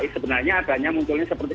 sebenarnya adanya munculnya seperti